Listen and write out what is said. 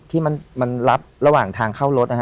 ที่มันรับระหว่างทางเข้ารถนะฮะ